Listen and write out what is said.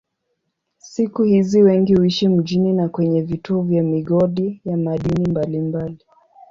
Siku hizi wengi huishi mjini na kwenye vituo vya migodi ya madini mbalimbali.